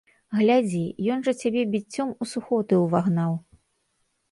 Глядзі, ён жа цябе біццём у сухоты ўвагнаў!